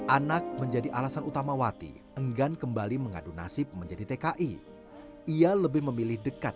anak menjadi alasan utama wati enggan kembali mengadu nasib menjadi tki ia lebih memilih dekat